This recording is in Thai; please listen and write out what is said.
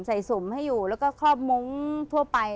สุ่มให้อยู่แล้วก็ครอบมุ้งทั่วไป